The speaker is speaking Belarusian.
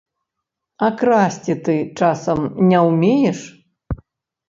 А красці ты, часам, не ўмееш?